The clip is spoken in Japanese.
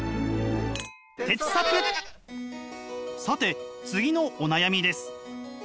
さて次のお悩みです。